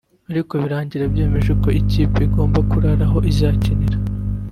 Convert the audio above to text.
ariko birangira byemejwe ko ikipe igomba kurara aho izakinira